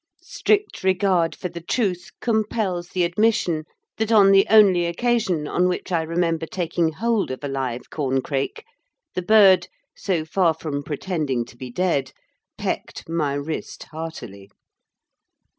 Strict regard for the truth compels the admission that on the only occasion on which I remember taking hold of a live corncrake the bird, so far from pretending to be dead, pecked my wrist heartily.